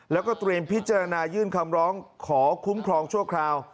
แล้วก็เตรียมพิจารณายื่นคำร้องขอคุ้มครองชั่วคราว